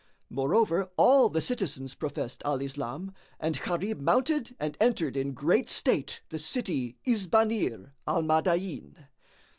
Moreover all the citizens professed Al Islam and Gharib mounted and entered in great state the city Isbanir Al Madain.